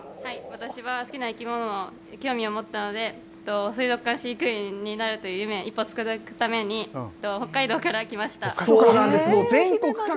私は、好きな生き物に興味を持ったので水族館飼育委員になるという夢をかなえるために北海道からそうなんですよ。